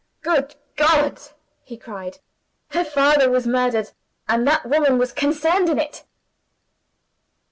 "Good God!" he cried, "her father was murdered and that woman was concerned in it."